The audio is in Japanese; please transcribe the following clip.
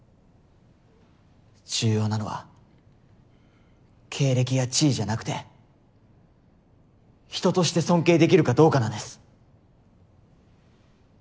重要なのは経歴や地位じゃなくて人として尊敬できるかどうかなんです。